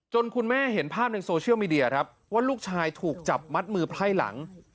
คุณแม่เห็นภาพในโซเชียลมีเดียครับว่าลูกชายถูกจับมัดมือไพร่หลัง